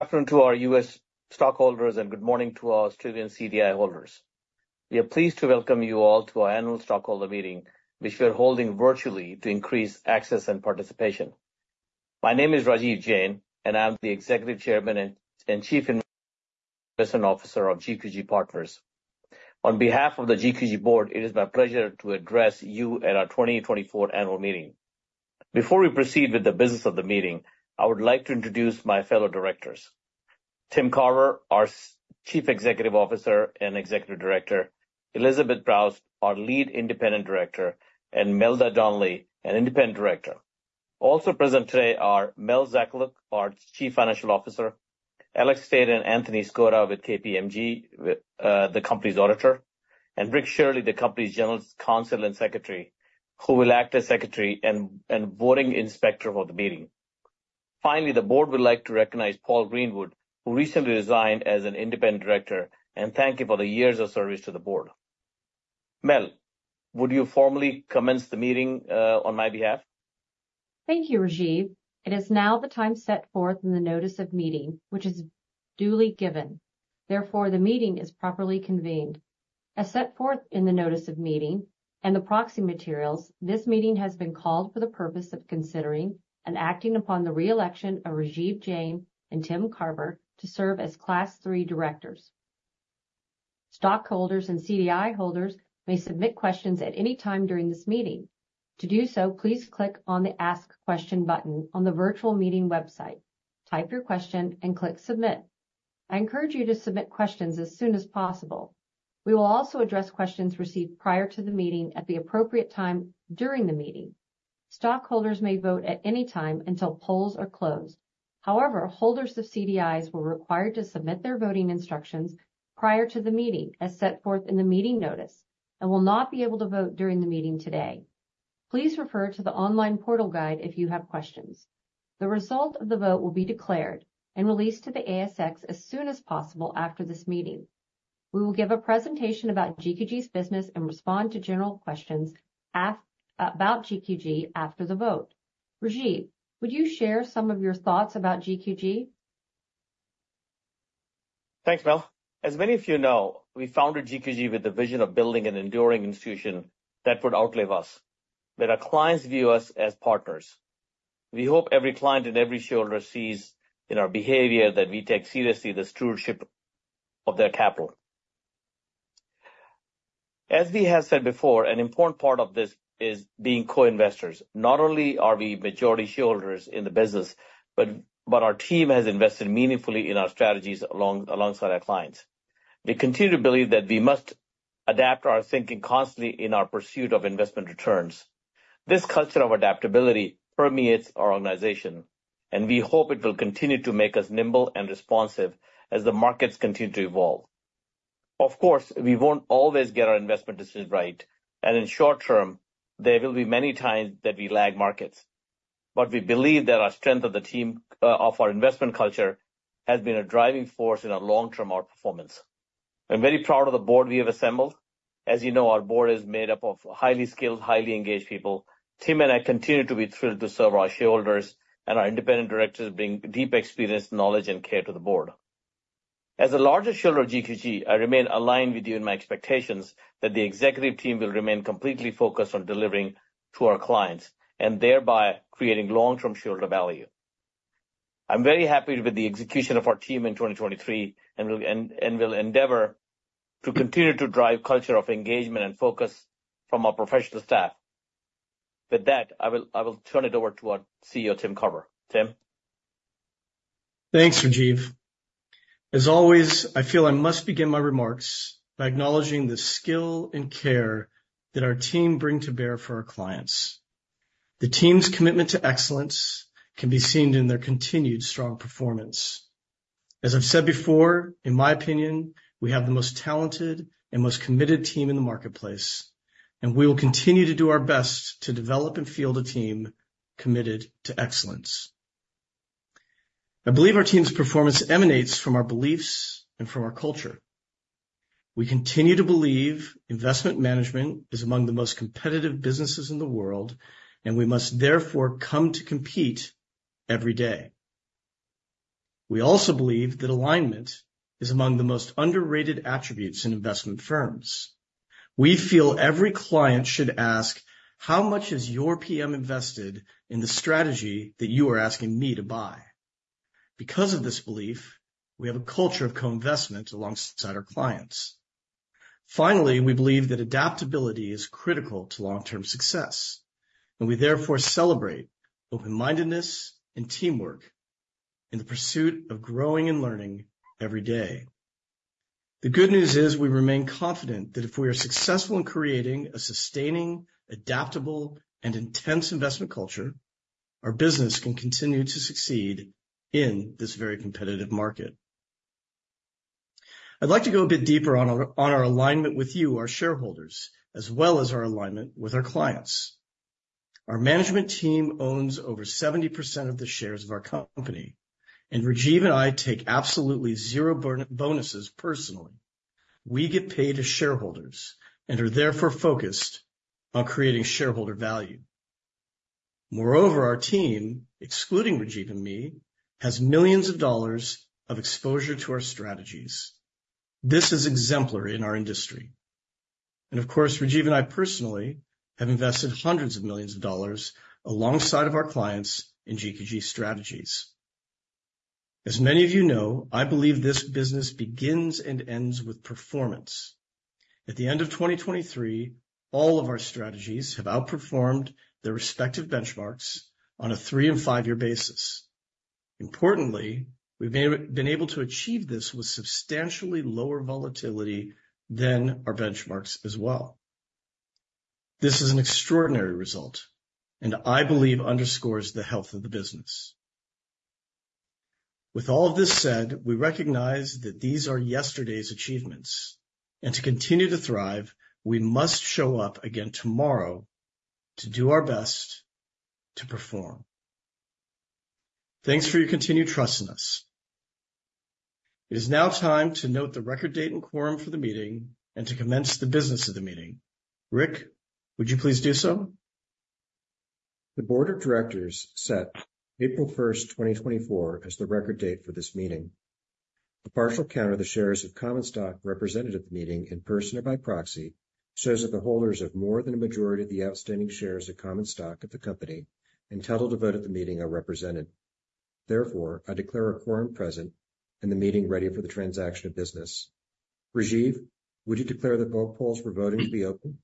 Good afternoon to our U.S. stockholders, and good morning to our Australian CDI holders. We are pleased to welcome you all to our annual stockholder meeting, which we are holding virtually to increase access and participation. My name is Rajiv Jain, and I'm the Executive Chairman and Chief Investment Officer of GQG Partners. On behalf of the GQG board, it is my pleasure to address you at our 2024 annual meeting. Before we proceed with the business of the meeting, I would like to introduce my fellow directors. Tim Carver, our Chief Executive Officer and Executive Director, Elizabeth Proust, our Lead Independent Director, and Melda Donnelly, an independent director. Also present today are Melodie Zakaluk, our Chief Financial Officer, Aleks Smits and Anthony Scurrah with KPMG, with the company's auditor, and Rick Sherley, the company's General Counsel and Secretary, who will act as secretary and voting inspector for the meeting. Finally, the board would like to recognize Paul Greenwood, who recently resigned as an independent director, and thank him for the years of service to the board. Mel, would you formally commence the meeting on my behalf? Thank you, Rajiv. It is now the time set forth in the notice of meeting, which is duly given. Therefore, the meeting is properly convened. As set forth in the notice of meeting and the proxy materials, this meeting has been called for the purpose of considering and acting upon the re-election of Rajiv Jain and Tim Carver to serve as Class III directors. Stockholders and CDI holders may submit questions at any time during this meeting. To do so, please click on the Ask Question button on the virtual meeting website, type your question, and click Submit. I encourage you to submit questions as soon as possible. We will also address questions received prior to the meeting at the appropriate time during the meeting. Stockholders may vote at any time until polls are closed. However, holders of CDIs were required to submit their voting instructions prior to the meeting, as set forth in the meeting notice, and will not be able to vote during the meeting today. Please refer to the online portal guide if you have questions. The result of the vote will be declared and released to the ASX as soon as possible after this meeting. We will give a presentation about GQG's business and respond to general questions about GQG after the vote. Rajiv, would you share some of your thoughts about GQG? Thanks, Mel. As many of you know, we founded GQG with the vision of building an enduring institution that would outlive us, that our clients view us as partners. We hope every client and every shareholder sees in our behavior that we take seriously the stewardship of their capital. As we have said before, an important part of this is being co-investors. Not only are we majority shareholders in the business, but our team has invested meaningfully in our strategies alongside our clients. We continue to believe that we must adapt our thinking constantly in our pursuit of investment returns. This culture of adaptability permeates our organization, and we hope it will continue to make us nimble and responsive as the markets continue to evolve. Of course, we won't always get our investment decisions right, and in short term, there will be many times that we lag markets. But we believe that our strength of the team, of our investment culture, has been a driving force in our long-term outperformance. I'm very proud of the board we have assembled. As you know, our board is made up of highly skilled, highly engaged people. Tim and I continue to be thrilled to serve our shareholders, and our independent directors bring deep experience, knowledge, and care to the board. As the largest shareholder of GQG, I remain aligned with you in my expectations that the executive team will remain completely focused on delivering to our clients and thereby creating long-term shareholder value. I'm very happy with the execution of our team in 2023 and will endeavor to continue to drive culture of engagement and focus from our professional staff. With that, I will turn it over to our CEO, Tim Carver. Tim? Thanks, Rajiv. As always, I feel I must begin my remarks by acknowledging the skill and care that our team bring to bear for our clients. The team's commitment to excellence can be seen in their continued strong performance. As I've said before, in my opinion, we have the most talented and most committed team in the marketplace, and we will continue to do our best to develop and field a team committed to excellence. I believe our team's performance emanates from our beliefs and from our culture. We continue to believe investment management is among the most competitive businesses in the world, and we must therefore come to compete every day. We also believe that alignment is among the most underrated attributes in investment firms. We feel every client should ask: How much is your PM invested in the strategy that you are asking me to buy? Because of this belief, we have a culture of co-investment alongside our clients. Finally, we believe that adaptability is critical to long-term success, and we therefore celebrate open-mindedness and teamwork in the pursuit of growing and learning every day. The good news is, we remain confident that if we are successful in creating a sustaining, adaptable, and intense investment culture, our business can continue to succeed in this very competitive market. I'd like to go a bit deeper on our, on our alignment with you, our shareholders, as well as our alignment with our clients. Our management team owns over 70% of the shares of our company, and Rajiv and I take absolutely zero bonuses personally. We get paid as shareholders and are therefore focused on creating shareholder value.... Moreover, our team, excluding Rajiv and me, has millions of dollars of exposure to our strategies. This is exemplary in our industry. And of course, Rajiv and I personally have invested hundreds of millions of dollars alongside of our clients in GQG strategies. As many of you know, I believe this business begins and ends with performance. At the end of 2023, all of our strategies have outperformed their respective benchmarks on a 3- and 5-year basis. Importantly, we've been able to achieve this with substantially lower volatility than our benchmarks as well. This is an extraordinary result, and I believe underscores the health of the business. With all of this said, we recognize that these are yesterday's achievements, and to continue to thrive, we must show up again tomorrow to do our best to perform. Thanks for your continued trust in us. It is now time to note the record date and quorum for the meeting and to commence the business of the meeting. Rick, would you please do so? The board of directors set April 1, 2024, as the record date for this meeting. The partial count of the shares of common stock represented at the meeting, in person or by proxy, shows that the holders of more than a majority of the outstanding shares of common stock of the company entitled to vote at the meeting are represented. Therefore, I declare a quorum present and the meeting ready for the transaction of business. Rajiv, would you declare that both polls for voting to be open?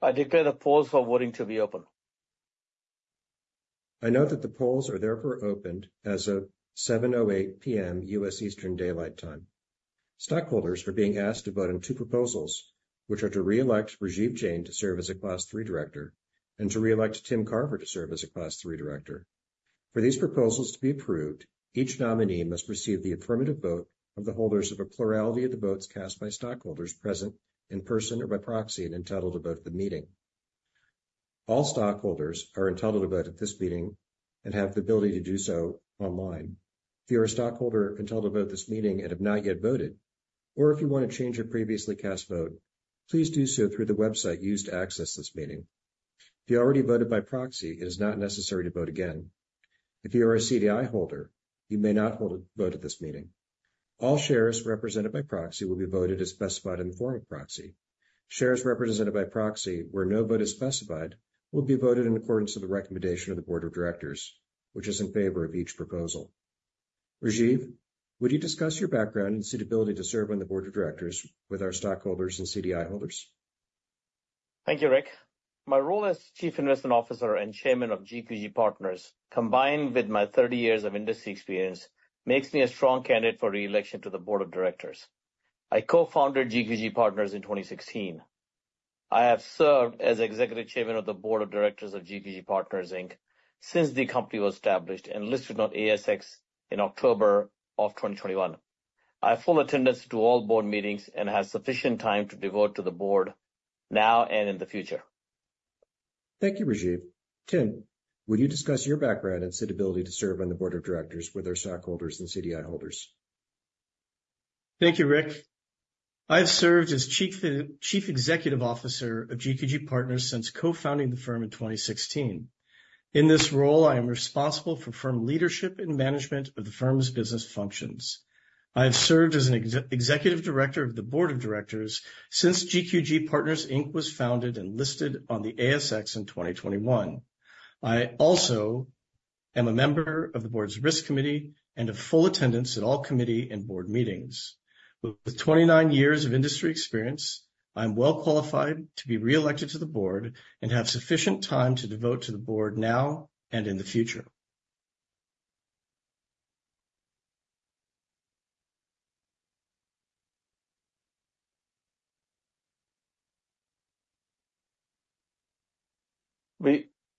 I declare the polls for voting to be open. I note that the polls are therefore opened as of 7:08 P.M., U.S. Eastern Daylight Time. Stockholders are being asked to vote on two proposals, which are to reelect Rajiv Jain to serve as a Class III director and to reelect Tim Carver to serve as a Class III director. For these proposals to be approved, each nominee must receive the affirmative vote of the holders of a plurality of the votes cast by stockholders present in person or by proxy and entitled to vote at the meeting. All stockholders are entitled to vote at this meeting and have the ability to do so online. If you're a stockholder entitled to vote at this meeting and have not yet voted, or if you want to change your previously cast vote, please do so through the website used to access this meeting. If you already voted by proxy, it is not necessary to vote again. If you are a CDI holder, you may not hold a vote at this meeting. All shares represented by proxy will be voted as specified in the form of proxy. Shares represented by proxy, where no vote is specified, will be voted in accordance to the recommendation of the board of directors, which is in favor of each proposal. Rajiv, would you discuss your background and suitability to serve on the board of directors with our stockholders and CDI holders? Thank you, Rick. My role as Chief Investment Officer and Chairman of GQG Partners, combined with my 30 years of industry experience, makes me a strong candidate for reelection to the board of directors. I co-founded GQG Partners in 2016. I have served as Executive Chairman of the Board of Directors of GQG Partners, Inc., since the company was established and listed on ASX in October of 2021. I have full attendance to all board meetings and have sufficient time to devote to the board now and in the future. Thank you, Rajiv. Tim, would you discuss your background and suitability to serve on the board of directors with our stockholders and CDI holders? Thank you, Rick. I've served as Chief Executive Officer of GQG Partners since co-founding the firm in 2016. In this role, I am responsible for firm leadership and management of the firm's business functions. I have served as executive director of the board of directors since GQG Partners, Inc. was founded and listed on the ASX in 2021. I also am a member of the board's Risk Committee and of full attendance at all committee and board meetings. With 29 years of industry experience, I'm well qualified to be reelected to the board and have sufficient time to devote to the board now and in the future.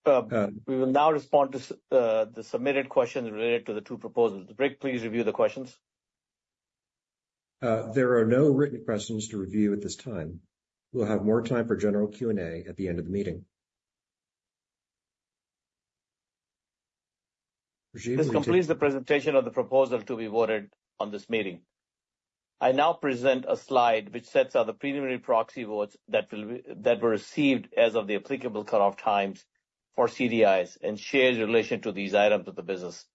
We will now respond to the submitted questions related to the two proposals. Rick, please review the questions. There are no written questions to review at this time. We'll have more time for general Q&A at the end of the meeting. Rajiv, would you- This completes the presentation of the proposal to be voted on this meeting. I now present a slide which sets out the preliminary proxy votes that were received as of the applicable cutoff times for CDIs and shares in relation to these items of the business.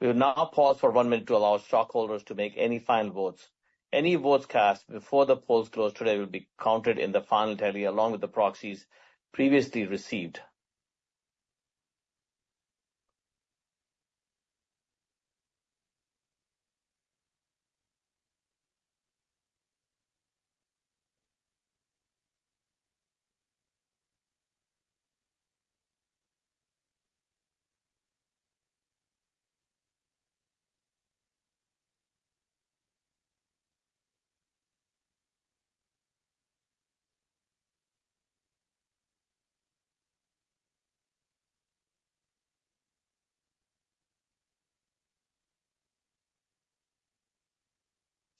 We will now pause for one minute to allow stockholders to make any final votes. Any votes cast before the polls close today will be counted in the final tally, along with the proxies previously received.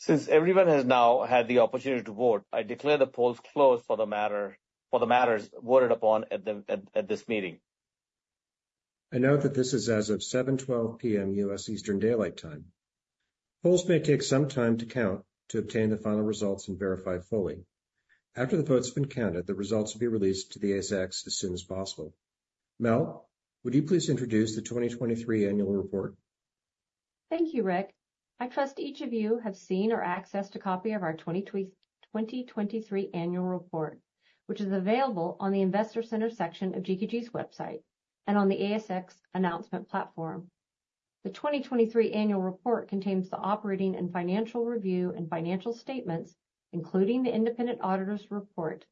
Since everyone has now had the opportunity to vote, I declare the polls closed for the matters voted upon at this meeting.... I note that this is as of 7:12 P.M., US Eastern Daylight Time. Polls may take some time to count to obtain the final results and verify fully. After the vote's been counted, the results will be released to the ASX as soon as possible. Mel, would you please introduce the 2023 annual report? Thank you, Rick. I trust each of you have seen or accessed a copy of our 2023 annual report, which is available on the Investor Center section of GQG's website and on the ASX announcement platform. The 2023 annual report contains the Operating and Financial Review and financial statements, including the Independent Auditor's Report.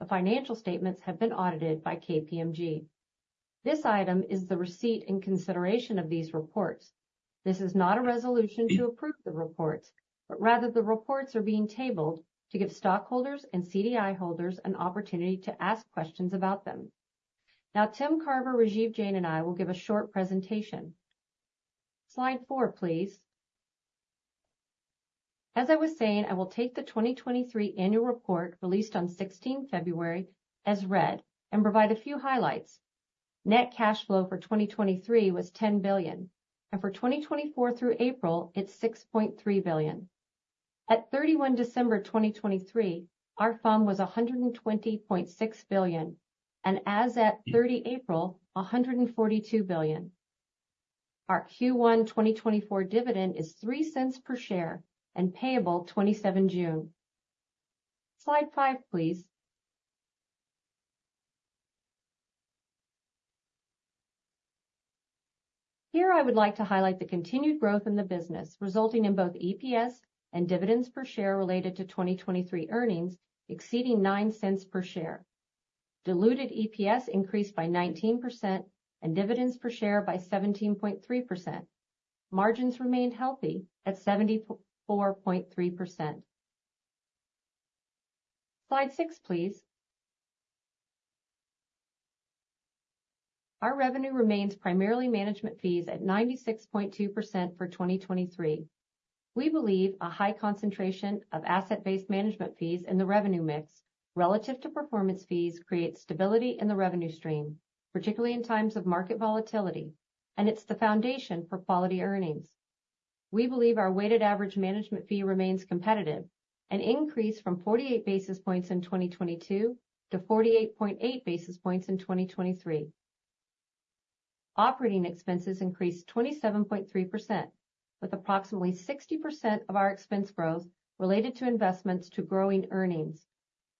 The financial statements have been audited by KPMG. This item is the receipt and consideration of these reports. This is not a resolution to approve the reports, but rather the reports are being tabled to give stockholders and CDI holders an opportunity to ask questions about them. Now, Tim Carver, Rajiv Jain, and I will give a short presentation. Slide 4, please. As I was saying, I will take the 2023 annual report, released on sixteenth February, as read and provide a few highlights. Net cash flow for 2023 was $10 billion, and for 2024, through April, it's $6.3 billion. At 31 December 2023, our FUM was $120.6 billion, and as at 30 April, $142 billion. Our Q1 2024 dividend is $0.03 per share and payable 27 June. Slide five, please. Here I would like to highlight the continued growth in the business, resulting in both EPS and dividends per share related to 2023 earnings exceeding $0.09 per share. Diluted EPS increased by 19% and dividends per share by 17.3%. Margins remained healthy at 74.3%. Slide six, please. Our revenue remains primarily management fees at 96.2% for 2023. We believe a high concentration of asset-based management fees in the revenue mix relative to performance fees creates stability in the revenue stream, particularly in times of market volatility, and it's the foundation for quality earnings. We believe our weighted average management fee remains competitive and increased from 48 basis points in 2022 to 48.8 basis points in 2023. Operating expenses increased 27.3%, with approximately 60% of our expense growth related to investments to growing earnings,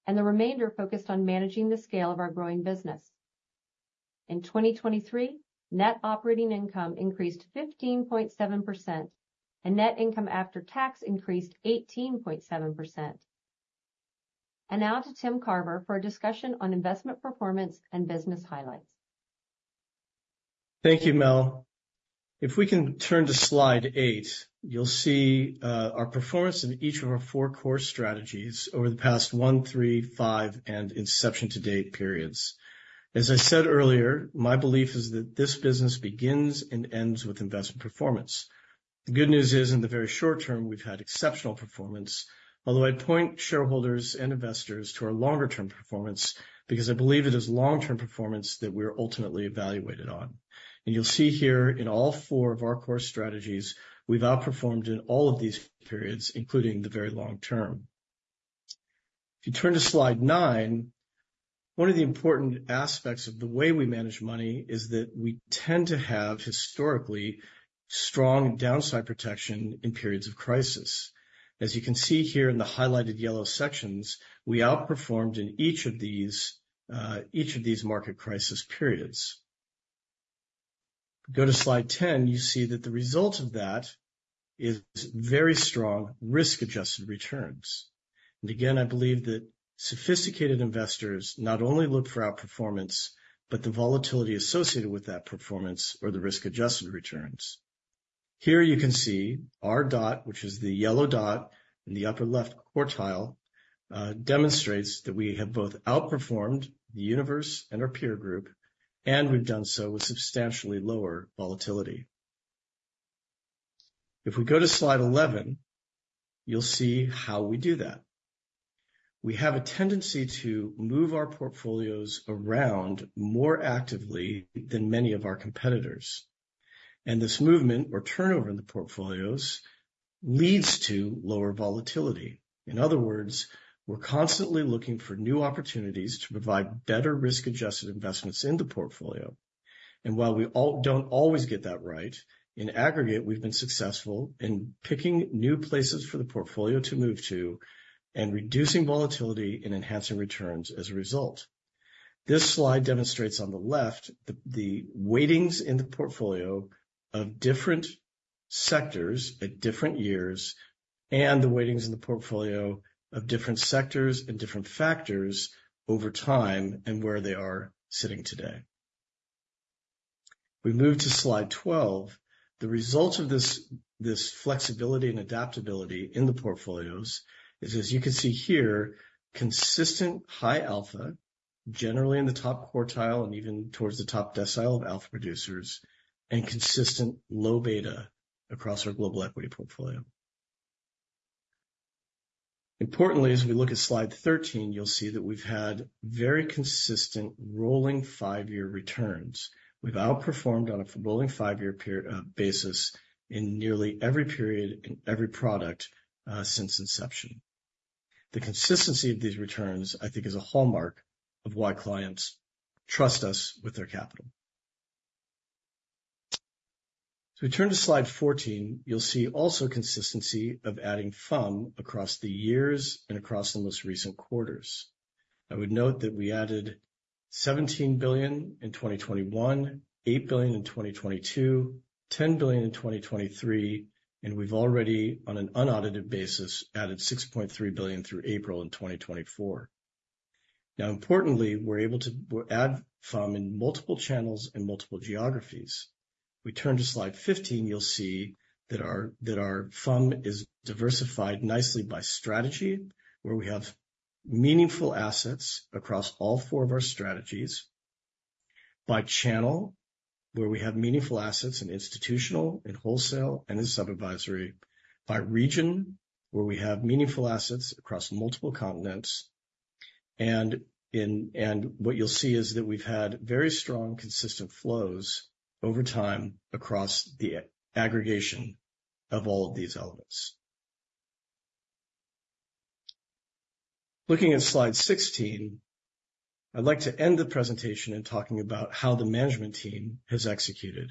and the remainder focused on managing the scale of our growing business. In 2023, net operating income increased 15.7%, and net income after tax increased 18.7%. Now to Tim Carver for a discussion on investment performance and business highlights. Thank you, Mel. If we can turn to slide 8, you'll see our performance in each of our 4 core strategies over the past 1, 3, 5, and inception to date periods. As I said earlier, my belief is that this business begins and ends with investment performance. The good news is, in the very short term, we've had exceptional performance. Although I point shareholders and investors to our longer-term performance, because I believe it is long-term performance that we're ultimately evaluated on. You'll see here in all 4 of our core strategies, we've outperformed in all of these periods, including the very long term. If you turn to slide 9, one of the important aspects of the way we manage money is that we tend to have historically strong downside protection in periods of crisis. As you can see here in the highlighted yellow sections, we outperformed in each of these, each of these market crisis periods. Go to slide 10, you see that the result of that is very strong risk-adjusted returns. Again, I believe that sophisticated investors not only look for outperformance, but the volatility associated with that performance or the risk-adjusted returns. Here you can see our dot, which is the yellow dot in the upper left quartile, demonstrates that we have both outperformed the universe and our peer group, and we've done so with substantially lower volatility. If we go to slide 11, you'll see how we do that. We have a tendency to move our portfolios around more actively than many of our competitors, and this movement or turnover in the portfolios leads to lower volatility. In other words, we're constantly looking for new opportunities to provide better risk-adjusted investments in the portfolio. And while we all don't always get that right, in aggregate, we've been successful in picking new places for the portfolio to move to and reducing volatility and enhancing returns as a result. This slide demonstrates on the left, the weightings in the portfolio of different sectors at different years, and the weightings in the portfolio of different sectors and different factors over time and where they are sitting today. We move to slide 12. The result of this flexibility and adaptability in the portfolios is, as you can see here, consistent high alpha, generally in the top quartile and even towards the top decile of alpha producers, and consistent low beta across our global equity portfolio. Importantly, as we look at slide 13, you'll see that we've had very consistent rolling 5-year returns. We've outperformed on a rolling 5-year period basis in nearly every period in every product since inception. The consistency of these returns, I think, is a hallmark of why clients trust us with their capital. As we turn to slide 14, you'll see also consistency of adding FUM across the years and across the most recent quarters. I would note that we added $17 billion in 2021, $8 billion in 2022, $10 billion in 2023, and we've already, on an unaudited basis, added $6.3 billion through April in 2024. Now, importantly, we're able to add FUM in multiple channels and multiple geographies. We turn to slide 15, you'll see that our, that our FUM is diversified nicely by strategy, where we have meaningful assets across all four of our strategies. By channel, where we have meaningful assets in institutional, in wholesale, and in sub-advisory. By region, where we have meaningful assets across multiple continents. And what you'll see is that we've had very strong, consistent flows over time across the aggregation of all of these elements. Looking at slide 16, I'd like to end the presentation in talking about how the management team has executed.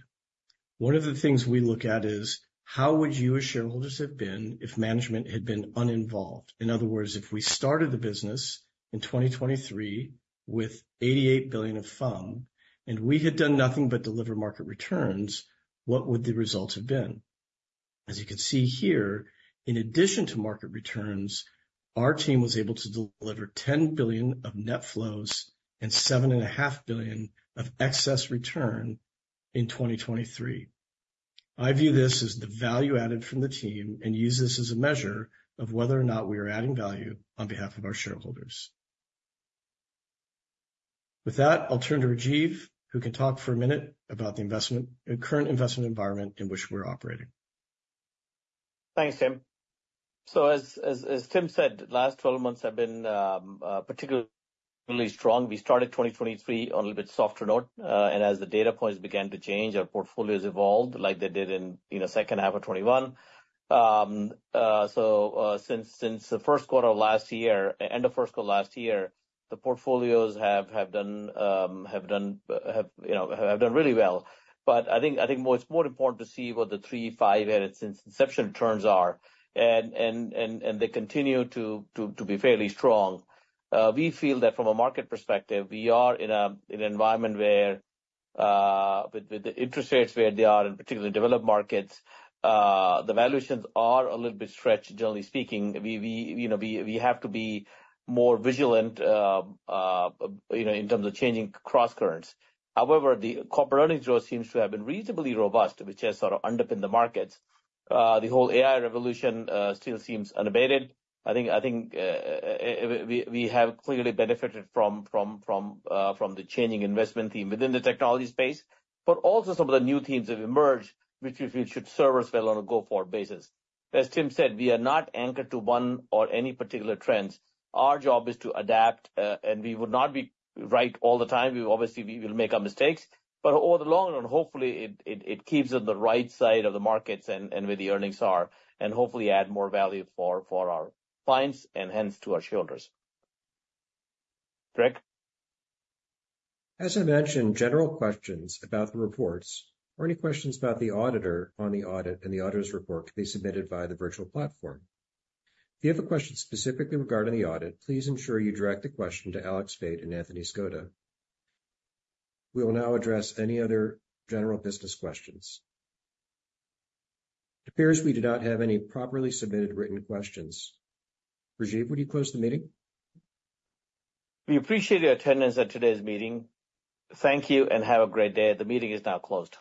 One of the things we look at is, how would you as shareholders have been if management had been uninvolved? In other words, if we started the business in 2023 with 88 billion of FUM, and we had done nothing but deliver market returns, what would the results have been? As you can see here, in addition to market returns, our team was able to deliver $10 billion of net flows and $7.5 billion of excess return in 2023. I view this as the value added from the team and use this as a measure of whether or not we are adding value on behalf of our shareholders. With that, I'll turn to Rajiv, who can talk for a minute about the investment, the current investment environment in which we're operating. Thanks, Tim. So as Tim said, the last 12 months have been particularly strong. We started 2023 on a little bit softer note, and as the data points began to change, our portfolios evolved like they did in the second half of 2021. So since the first quarter of last year, end of first quarter of last year, the portfolios have done, you know, have done really well. But I think more, it's more important to see what the 3-, 5-year and since inception returns are, and they continue to be fairly strong. We feel that from a market perspective, we are in an environment where, with the interest rates where they are, particularly in developed markets, the valuations are a little bit stretched, generally speaking. We, you know, we have to be more vigilant, you know, in terms of changing crosscurrents. However, the corporate earnings growth seems to have been reasonably robust, which has sort of underpinned the markets. The whole AI revolution still seems unabated. I think we have clearly benefited from the changing investment theme within the technology space, but also some of the new themes have emerged, which we feel should serve us well on a go-forward basis. As Tim said, we are not anchored to one or any particular trends. Our job is to adapt, and we would not be right all the time. We obviously, we will make our mistakes, but over the long run, hopefully it keeps us on the right side of the markets and where the earnings are, and hopefully add more value for our clients and hence to our shareholders. Rick? As I mentioned, general questions about the reports or any questions about the auditor on the audit and the auditor's report can be submitted via the virtual platform. If you have a question specifically regarding the audit, please ensure you direct the question to Aleks Smits and Anthony Scurrah. We will now address any other general business questions. It appears we do not have any properly submitted written questions. Rajiv, would you close the meeting? We appreciate your attendance at today's meeting. Thank you, and have a great day. The meeting is now closed.